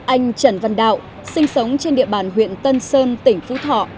anh trần văn đạo sinh sống trên địa bàn huyện tân sơn tỉnh phú thọ